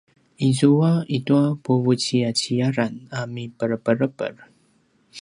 izua i tua puvuciyaciyaran a miperepereper